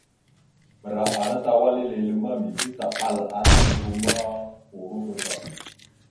Ɓəra ana tawala lele ma, mige taɓal ara kudom ma, urova da.